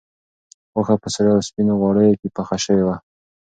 غوښه په سرو او سپینو غوړیو کې پخه شوې وه.